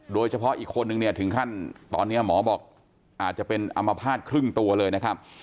โดยเฉพาะอีกคนนึงเนี่ยถึงขั้นตอนนี้หมอบอกอาจจะเป็นอัมพาตครึ่งตัวเลยนะครับ